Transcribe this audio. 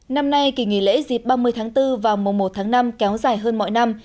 năm nay kỳ nghỉ lễ dịp ba mươi tháng bốn vào mùa một tháng năm kéo dài hơn mọi năm